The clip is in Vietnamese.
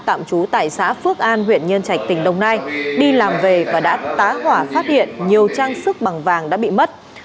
tạm trú tại xã phước an huyện nhân trạch tỉnh đồng nai đi làm về và đã tá hỏa phát hiện nhiều trang sức bằng vàng đã bị mất